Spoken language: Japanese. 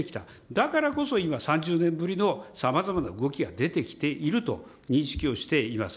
だからこそ今、３０年ぶりのさまざまな動きが出てきていると認識をしております。